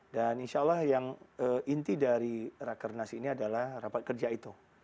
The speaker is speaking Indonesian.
dan insya allah yang inti dari rakernas ini adalah rapat kerja itu